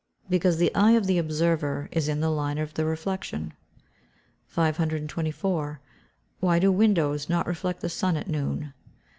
_ Because the eye of the observer is in the line of the reflection. 524. _Why do windows not reflect the sun at noon?